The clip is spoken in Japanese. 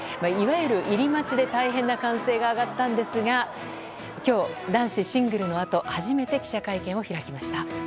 いわゆる入り待ちで大変な歓声が上がったんですが今日、男子シングルのあと初めて記者会見を開きました。